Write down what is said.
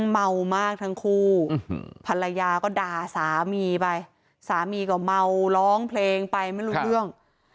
เมามากทั้งคู่ภรรยาก็ด่าสามีไปสามีก็เมาร้องเพลงไปไม่รู้เรื่อง